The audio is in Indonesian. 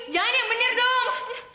jangan yang bener dong